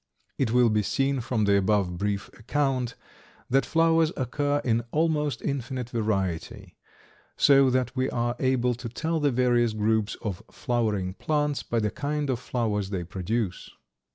It will be seen from the above brief account that flowers occur in almost infinite variety, so that we are able to tell the various groups of flowering plants by the kind of flowers they produce.